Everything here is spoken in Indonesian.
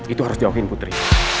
itu harus diokihin putri